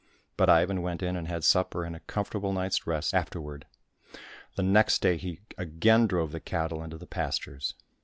But Ivan went in and had supper and a comfortable night's rest after ward. The next day he again drove the cattle into the pastures.